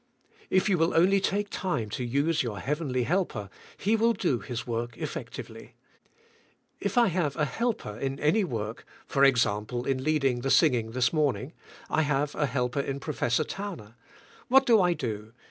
If 3'ou will only take time to use 3"our Heavenly Helper, He will do His work effectively. If I have a helper in any work, for example, in leading the singing this morning . I have a helper in Professor Towner. What do I do?